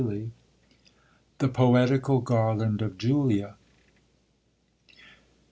] THE POETICAL GARLAND OF JULIA.